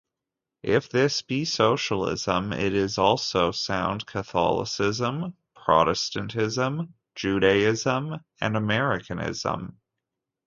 If this be Socialism, it is also sound Catholicism, Protestantism, Judaism and Americanism.